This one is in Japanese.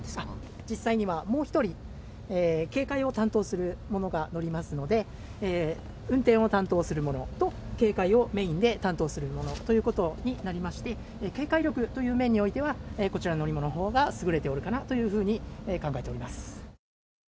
実際にはもう１人、警戒を担当する者が乗りますので、運転を担当する者と警戒をメインで担当する者ということになりまして、警戒力という面においては、こちらの乗り物のほうが優れておるかなというふうに考えております。